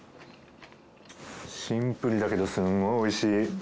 シンプルだけどすごくおいしい。